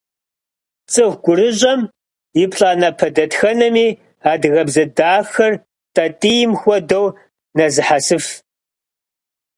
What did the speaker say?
ЦӀыху гурыщӀэм и плӀанэпэ дэтхэнэми адыгэбзэ дахэр тӀатӀийм хуэдэу нэзыхьэсыф.